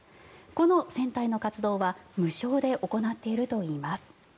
この戦隊の活動は無償で行っているといいます。